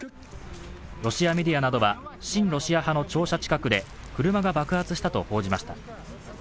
ロシアメディアなどは親ロシア派の庁舎近くで車が爆発したと報じました。